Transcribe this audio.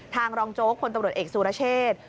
รองโจ๊กคนตำรวจเอกสุรเชษ